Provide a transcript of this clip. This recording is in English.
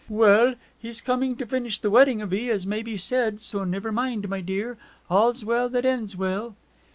'Well he's coming to finish the wedding of 'ee as may be said; so never mind, my dear. All's well that ends well.'